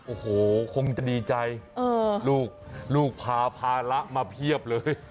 โอ้โหคงจะดีใจลูกลูกพาภาระมาเพียบเลย